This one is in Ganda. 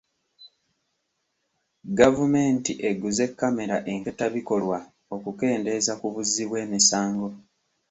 Gavumenti eguze kamera enkettabikolwa okukendeeza ku buzzi bw'emisango.